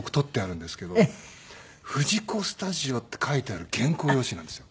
「藤子スタジオ」って書いてある原稿用紙なんですよ。